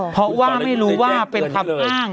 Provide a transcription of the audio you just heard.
เพราะว่าไม่รู้ว่าเป็นคำอ้าง